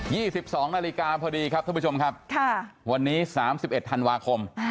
ี่สิบสองนาฬิกาพอดีครับท่านผู้ชมครับค่ะวันนี้สามสิบเอ็ดธันวาคม